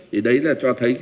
thì đấy là cho thấy